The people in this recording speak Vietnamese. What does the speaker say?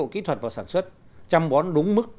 kỹ thuật vào sản xuất chăm bón đúng mức